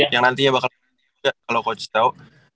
yang nantinya bakal nanti juga kalau coach tau